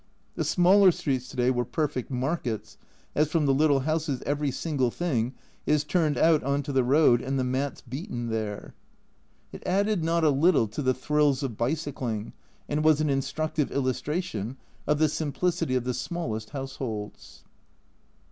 The smaller streets to day were perfect markets, as from the little houses every single thing is turned out on to the road, and the mats beaten there. It added not a little A Journal from Japan 163 to the thrills of bicycling, and was an instructive illustration of the simplicity of the smallest households.